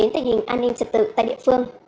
trật tự tại địa phương